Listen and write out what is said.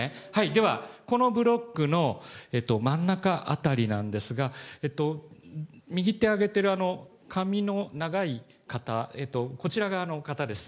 では、このブロックの真ん中辺りなんですが、右手挙げてる髪の長い方、こちら側の方です。